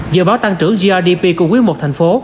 dự báo tăng trưởng grdp của quý i thành phố